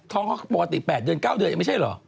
ท้องเขาปวดปี๘เดือน๙เดือนไม่ใช่หรือ